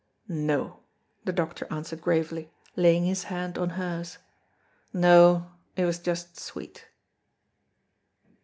"No," the doctor answered gravely, laying his hand on hers, "no, it was just sweet."